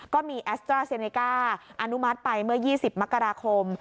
แอสตราเซเนก้าอนุมัติไปเมื่อ๒๐มกราคม